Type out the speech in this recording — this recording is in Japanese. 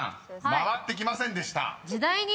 回ってきませんでした］